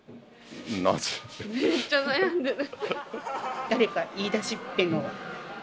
めっちゃ悩んでる。